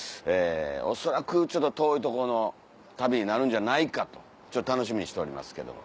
恐らく遠いとこの旅になるんじゃないかと楽しみにしておりますけども。